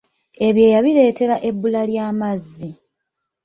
Ebyeeya bireetera ebbula ly'amazzi .